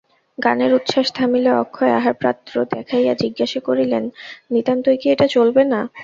গানের উচ্ছ্বাস থামিলে অক্ষয় আহারপাত্র দেখাইয়া জিজ্ঞাসা করিলেন, নিতান্তই কি এটা চলবে না?